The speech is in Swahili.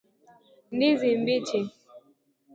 ndizi mbichi